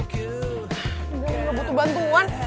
gue gak butuh bantuan